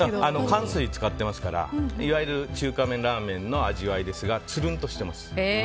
かん水使ってますからいわゆる中華麺、ラーメンの味わいですが、つるんとしてます。